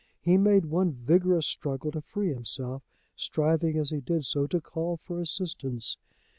He made one vigorous struggle to free himself, striving as he did so to call for assistance.